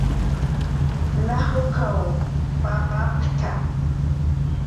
najukha papa apkta juma